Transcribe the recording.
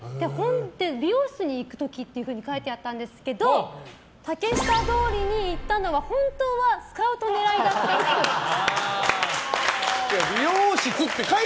美容室に行く時って書いてあったんですけど竹下通りに行ったのは本当はスカウト狙いだったっぽい。